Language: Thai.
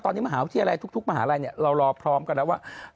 ตอนนี้มหาวิทยาลัยทุกมหาลัยเรารอพร้อมกันแล้วว่า